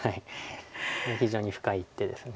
非常に深い一手です。